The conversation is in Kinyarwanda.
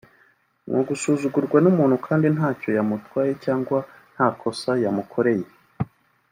ni ugusuzugurwa n’umuntu kandi ntacyo yamutwaye cyangwa nta kosa yamukoreye